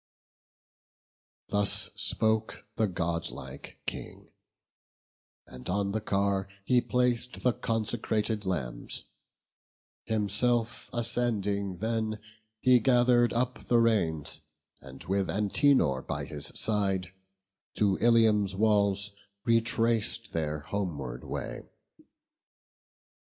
Thus spoke the godlike King; and on the car He plac'd the consecrated lambs; himself Ascending then, he gather'd up the reins, And with Antenor by his side, the twain To Ilium's walls retrac'd their homeward way.